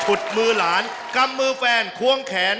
จะเป็นอย่างไรให้ท่านได้ชมกัน